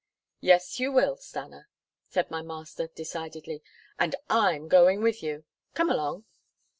"Yes, you will, Stanna," said my master decidedly, "and I'm going with you. Come along."